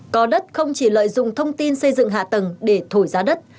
có đất không chỉ lợi dụng thông tin xây dựng hạ tầng để thổi giá đất